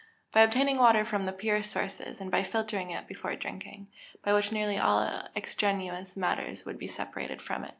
_ By obtaining water from the purest sources, and by filtering it before drinking, by which nearly all extraneous matters would be separated from it.